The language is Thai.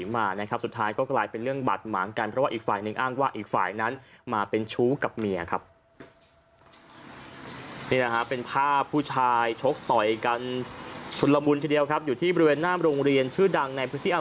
มาทะเลาะกันหน้าโรงง